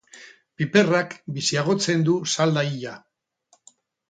Piperrak biziagotzen du salda hila.